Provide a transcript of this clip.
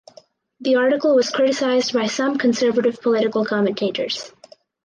The article was criticized by some conservative political commentators.